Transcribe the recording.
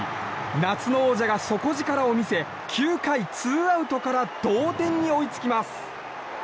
夏の王者が底力を見せ９回、ツーアウトから同点に追いつきます。